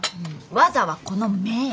技はこの目ぇや。